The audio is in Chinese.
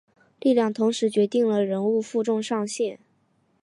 力量同时决定了人物负重上限。